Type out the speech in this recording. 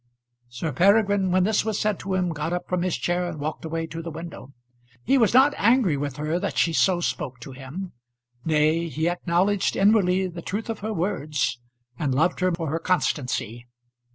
Sir Peregrine when this was said to him got up from his chair and walked away to the window. He was not angry with her that she so spoke to him. Nay; he acknowledged inwardly the truth of her words, and loved her for her constancy.